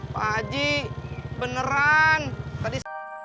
pak haji beneran tadi